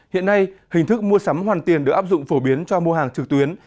hiện nay hình thức mua sắm hoàn tiền được áp dụng phổ biến cho mua hàng trực tuyến